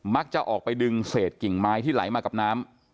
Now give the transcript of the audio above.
จะออกไปดึงเศษกิ่งไม้ที่ไหลมากับน้ำ